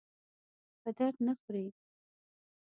په درد نه خوري.